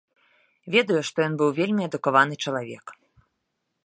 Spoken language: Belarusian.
Ведаю, што ён быў вельмі адукаваны чалавек.